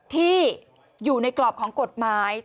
ที่อยู่ในกรอบของกฎหมาย